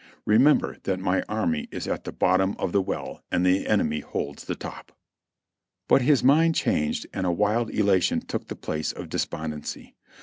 Remember that my army is at the bottom of the well and the enemy holds the top." (Reb. Records, Vol. 25, p. 241.) But his mind changed and a wild elation took the place of despondency.